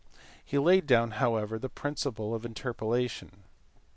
He laid down however the principle of interpolation.